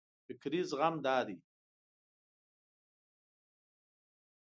فکري زغم دا دی.